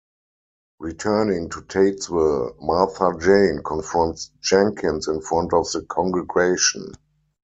Returning to Tatesville, Martha Jane confronts Jenkins in front of the congregation.